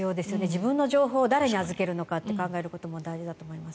自分の情報を誰に預けるのかって考えることも大事だと思います。